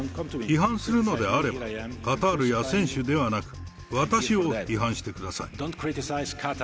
批判するのであれば、カタールや選手ではなく、私を批判してください。